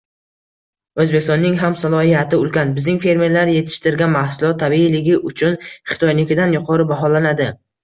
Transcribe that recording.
O‘zbekistonning ham salohiyati ulkan. Bizning fermerlar yetishtirgan mahsulot tabiiyligi uchun Xitoynikidan yuqori baholanadi.